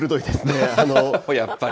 やっぱり。